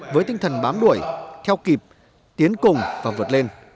với tinh thần bám đuổi theo kịp tiến cùng và vượt lên